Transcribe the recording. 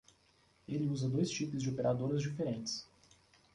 Ele usa dois chips de operadoras diferentes